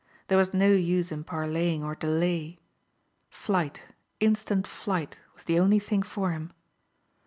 There was no use in parleying or de lay. Flight, instant flight, was the only thing for him.